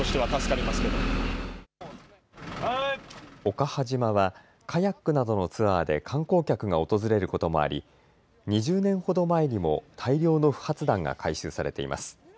岡波島はカヤックなどのツアーで観光客が訪れることもあり２０年ほど前にも大量の不発弾が回収されています。